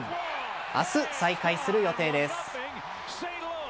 明日、再開する予定です。